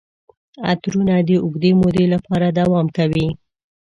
عطرونه د اوږدې مودې لپاره دوام کوي.